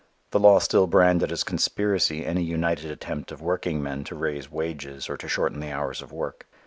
The law still branded as conspiracy any united attempt of workingmen to raise wages or to shorten the hours of work.